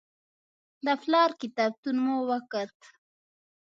د پلار کتابتون مو وکت.